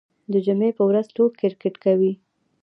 د جمعې په ورځ ټول کرکټ کوي.